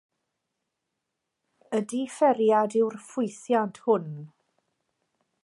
Y differiad yw'r ffwythiant hwn.